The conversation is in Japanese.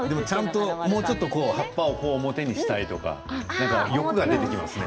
もうちょっと葉っぱを表にしたいとか欲が出てきますね。